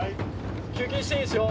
休憩していいですよ。